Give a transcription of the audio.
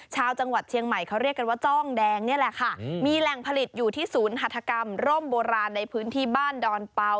ชาวจังหวัดเชียงใหม่เขาเรียกกันว่าจ้องแดงนี่แหละค่ะมีแหล่งผลิตอยู่ที่ศูนย์หัฐกรรมร่มโบราณในพื้นที่บ้านดอนเปล่า